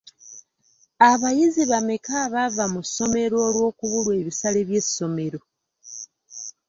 Abayizi bameka abaava mu ssomero olw'okubulwa ebisale by'essomero.?